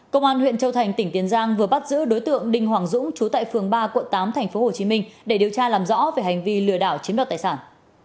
công an huyện châu thành tỉnh tiền giang vừa bắt giữ đối tượng đinh hoàng dũng chú tại phường ba quận tám tp hcm để điều tra làm rõ về hành vi lừa đảo chiếm đoạt tài sản